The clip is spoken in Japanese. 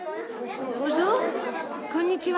こんにちは。